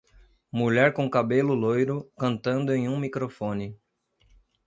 Mulher com cabelo loiro cantando em um microfone.